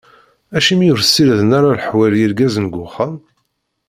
Acimi ur ssiriden ara leḥwal yergazen deg wexxam?